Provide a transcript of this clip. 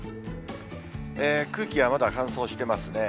空気はまだ乾燥してますね。